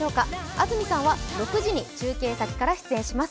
安住さんは６時に中継先から出演します。